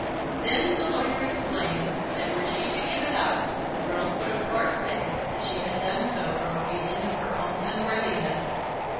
Then the lawyer explained that were she to give it up, the world would of course say that she had done so from a feeling of her own unworthiness.